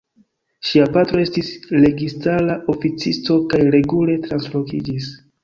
Ŝia patro estis registara oficisto kaj regule translokiĝis.